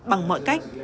bằng mọi cách